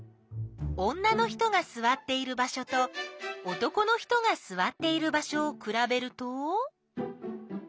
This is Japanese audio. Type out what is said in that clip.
女の人がすわっている場所と男の人がすわっている場所をくらべると。